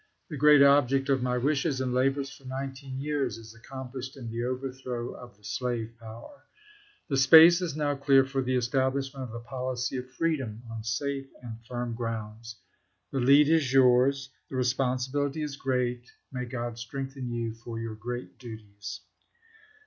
The great object of my wishes and labors for nineteen years is accomplished in the overthrow of the slave power. The space is now SoiS clear for the establishment of the policy of free SC' dom on safe and firm grounds. The lead is yours, o;'s. p. The responsibility is great. May Grod strengthen p 364. you for your great duties."